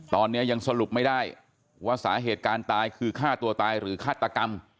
ตอนนี้ยังสรุปไม่ได้ว่าสาเหตุการณ์ตายคือฆ่าตัวตายหรือฆาตกรรม